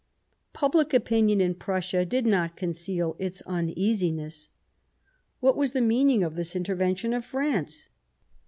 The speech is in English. Public opinion in Prussia did not conceal its uneasiness. What was the meaning of this inter vention of France